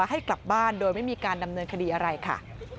ให้กลับบ้านโดยไม่มีการดำเนินคดีอะไรค่ะ